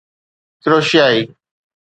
ڪروشيائي